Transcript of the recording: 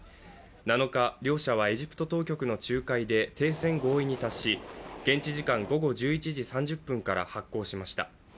７日、両者はエジプト当局の仲介で停戦合意に達し、現地時間午後１１時３０分から発効しました。